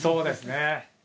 そうですね。